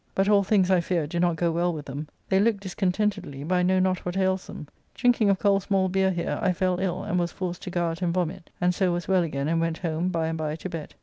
But all things, I fear, do not go well with them; they look discontentedly, but I know not what ails them. Drinking of cold small beer here I fell ill, and was forced to go out and vomit, and so was well again and went home by and by to bed.